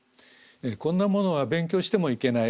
こんなものは勉強してもいけない。